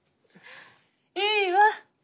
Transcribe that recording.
いいわ。